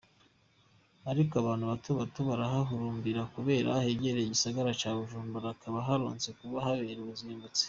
Ariko abantu batobato barahahurumbira kubera hegereye igisagara ca Bujumbura hakaba horoshe kuba kubera hazimbutse.